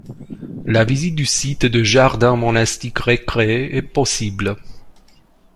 La visite du site et des jardins monastiques recréés est possible.